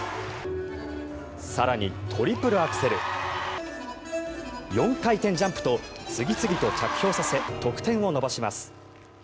更にトリプルアクセル４回転ジャンプと次々と着氷させ得点を伸ばします。